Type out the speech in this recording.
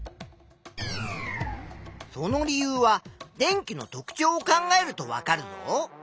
その理由は電気の特ちょうを考えるとわかるぞ。